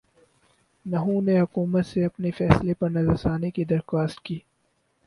نہوں نے حکومت سے اپنے فیصلے پرنظرثانی کی درخواست کی